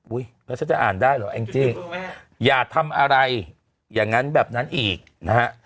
แล้วฉันจะอ่านได้เหรอแองจี้อย่าทำอะไรอย่างนั้นแบบนั้นอีกนะฮะ